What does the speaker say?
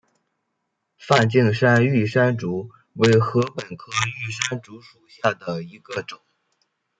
梵净山玉山竹为禾本科玉山竹属下的一个种。